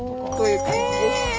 こういう感じです。